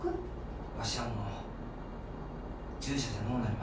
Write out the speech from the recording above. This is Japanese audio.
わしはもう従者じゃのうなりました。